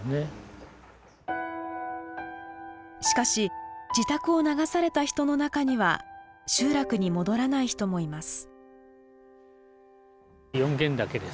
しかし自宅を流された人の中には集落に戻らない人もいます。